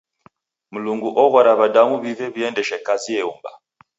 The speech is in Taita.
Mlungu oghora w'adamu w'ive w'iendeshe kazi eumba.